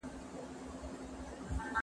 دغو هیوادونو به خپلي ستونزې حل کړې وي.